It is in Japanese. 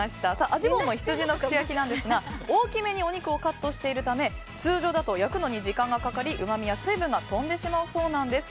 味坊の羊の串焼きですが大きめにお肉をカットしているため通常だと焼くのに時間がかかりうまみや水分が飛んでしまうそうなんです。